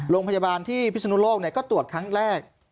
โรงพยาบาลที่พิศนุโลกก็ตรวจครั้งแรก